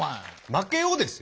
負けをですよ？